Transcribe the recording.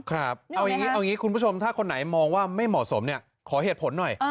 เอาอย่างงี้คุณผู้ชมถ้าคนไหนมองว่าไม่เหมาะสมเนี่ย